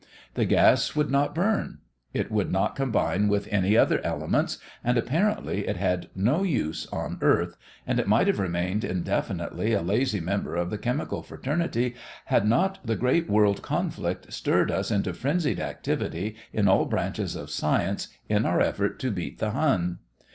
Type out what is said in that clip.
The gas would not burn; it would not combine with any other elements, and apparently it had no use on earth, and it might have remained indefinitely a lazy member of the chemical fraternity had not the great world conflict stirred us into frenzied activity in all branches of science in our effort to beat the Hun.